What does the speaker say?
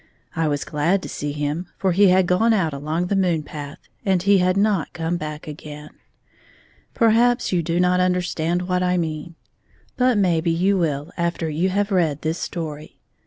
I was glad to see him^ for he had gone out along the moon path^ and he had not come back again. Perhaps you do not understand what I m£an, 3 hut mayhe you will after you have read this story.